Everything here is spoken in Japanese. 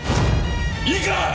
いいか！